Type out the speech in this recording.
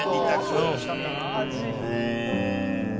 うん。